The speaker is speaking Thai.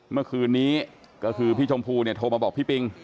เมื่อคืนนี้ก็คือพี่ชมพูเนี่ยโทรมาบอกพี่ปิง